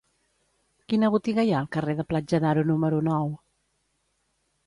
Quina botiga hi ha al carrer de Platja d'Aro número nou?